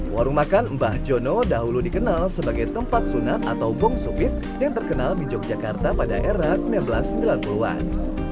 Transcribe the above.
warung makan mbah jono dahulu dikenal sebagai tempat sunat atau bong supit yang terkenal di yogyakarta pada era seribu sembilan ratus sembilan puluh an